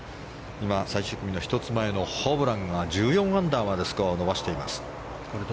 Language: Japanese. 今、最終組の１つ前のホブランが１４アンダーまでスコアを伸ばしています。